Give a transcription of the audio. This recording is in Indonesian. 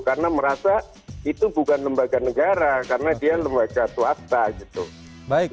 karena merasa itu bukan lembaga negara karena dia lembaga swasta